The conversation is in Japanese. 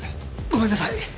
ごめんなさい。